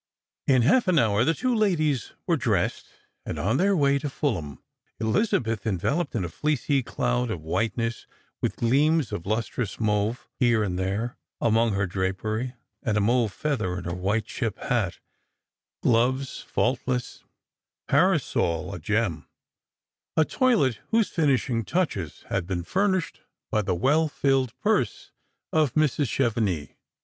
In half an hour the two ladies were dressed, and on their way to Fulham; Elizabeth enveloped in a fleecy cloud of whiteness, with gleams of lustrous mauve here and there among her drapery, and a mauve feather in her white chip hat, glovea faultless, parasol a gem : a toilet whose finishing touches had been furnished by the well filled purse of Mrs. Chevenix.